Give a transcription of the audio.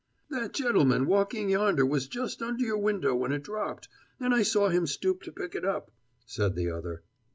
"That gentleman walking yonder was just under your window when it dropped, and I saw him stoop to pick it up," said the other.